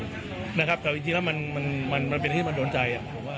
แต่ว่าจริงแล้วมันเป็นท่านที่โดนใจ